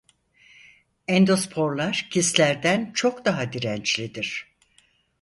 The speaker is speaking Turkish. Endosporlar kistlerden çok daha dirençlidir.